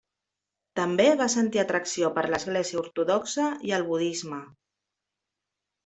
També va sentir atracció per l'església ortodoxa i el budisme.